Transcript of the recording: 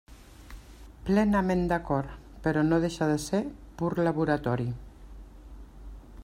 Plenament d'acord, però no deixa de ser pur laboratori.